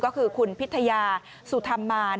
ก็คือคุณพิทยาสุธรรมมาร